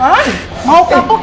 eh mau kapok